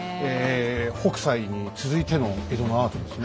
北斎に続いての江戸のアートですね。